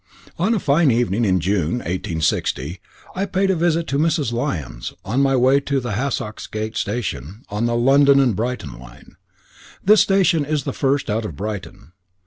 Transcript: On a fine evening in June, 1860, I paid a visit to Mrs. Lyons, on my way to the Hassocks Gate Station, on the London and Brighton line. This station is the first out of Brighton.